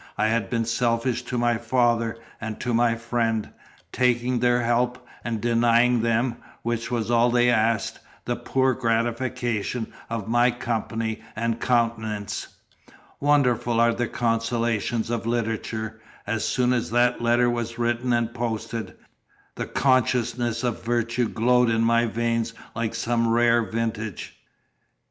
I had been selfish to my father and to my friend, taking their help, and denying them (which was all they asked) the poor gratification of my company and countenance. Wonderful are the consolations of literature! As soon as that letter was written and posted, the consciousness of virtue glowed in my veins like some rare vintage.